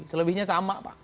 selebihnya sama pak